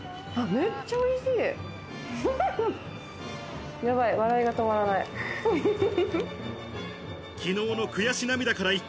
ん、めっちゃおいしい！